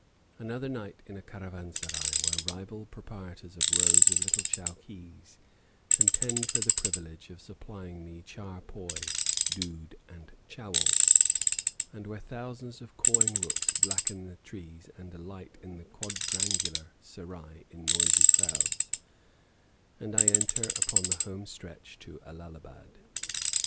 Another night in a caravanserai, where rival proprietors of rows of little chowkees contend for the privilege of supplying me char poy, dood, and chowel, and where thousands of cawing rooks blacken the trees and alight in the quadrangular serai in noisy crowds, and I enter upon the home stretch to Allahabad.